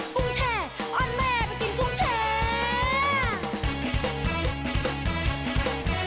กุ้งแชอ่อนแม่ไปกินกุ้งแช